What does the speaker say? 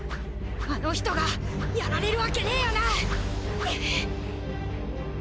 あの人がやられるわけねよな？